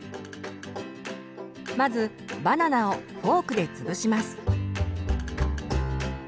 まずバナナをフォークでつぶします。